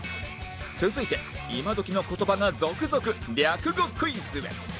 続いて今どきの言葉が続々略語クイズへ